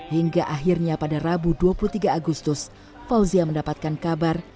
hingga akhirnya pada rabu dua puluh tiga agustus fauzia mendapatkan kabar